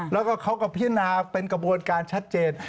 แล้วก็เขาก็พิจารณาเป็นกระบวนการชัดเจน